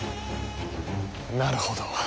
なるほど。